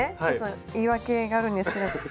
ちょっと言い訳があるんですけど。